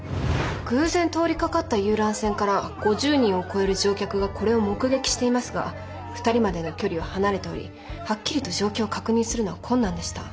偶然通りかかった遊覧船から５０人を超える乗客がこれを目撃していますが２人までの距離は離れておりはっきりと状況を確認するのは困難でした。